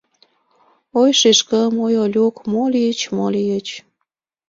— Ой, шешкым, ой, Олюк, мо лийыч, мо лийыч?